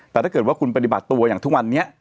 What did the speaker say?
แต่ถ้าเกิดว่าคุณปฏิบัติตัวอย่างทุกวันนี้